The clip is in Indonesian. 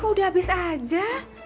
kok udah habis aja